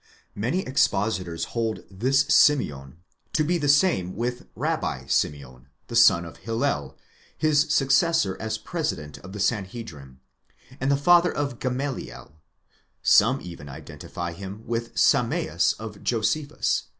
Many expositors hold this Simeon to be the same with the Rabbi Simeon, the son of Hillel, his successor as president of the Sanhedrim, and the father of Gamaliel ; some even identify him with the Sameas of Josephus